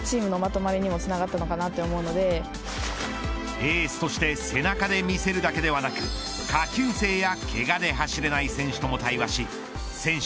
エースとして背中で見せるだけではなく下級生や、けがで走れない選手とも対話し選手